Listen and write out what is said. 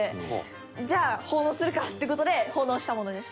じゃあ奉納するかって事で奉納したものです。